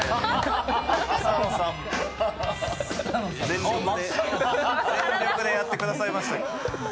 全力でやってくださいました。